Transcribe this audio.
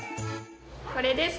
これです。